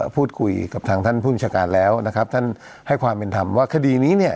พูดคุยกับทางท่านผู้บัญชาการแล้วนะครับท่านให้ความเป็นธรรมว่าคดีนี้เนี่ย